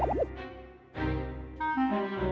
suara udar kisi